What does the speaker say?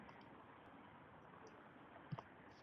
“…Qishmi, yozmi, yoki kuzimidi –